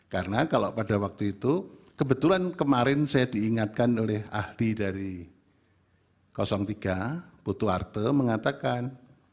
karena kalau pada waktu itu kebetulan kemarin saya diingatkan oleh ahli dari tiga putu arte mengatakan